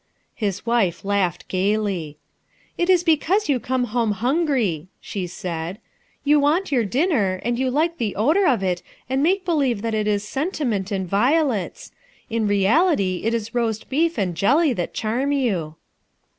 His wife laughed gayly. "That Is because you come home hungry/' she said. "You want your dinner and you like the odor of it and make believe that it is sentiment and violets. In reality it is roast beef and jelly that charm you."